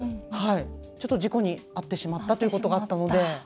距離感もよく分からずちょっと事故に遭ってしまったということがあったので。